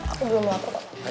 aku belum laku